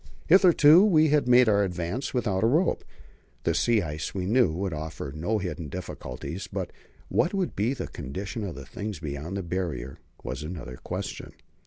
Hitherto we had made our advance without a rope. The sea ice, we knew, would offer no hidden difficulties; but what would be the condition of things beyond the Barrier was another question.